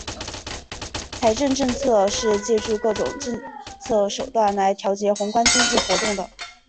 财政政策是借助各种政策手段来调节宏观经济活动的。